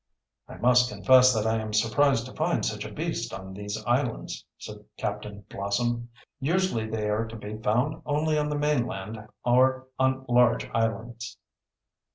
"I must confess that I am surprised to find such a beast on these islands," said Captain Blossom. "Usually they are to be found only on the mainland or on large islands."